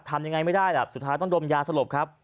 ทำยังไงไม่ได้ล่ะสุดท้ายต้องดมยาสลบครับ